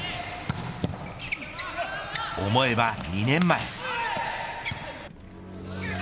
思えば２年前。